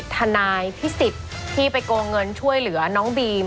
ทนายพิสิทธิ์ที่ไปโกงเงินช่วยเหลือน้องบีม